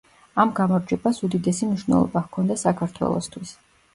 ამ გამარჯვებას უდიდესი მნიშვნელობა ჰქონდა საქართველოსთვის.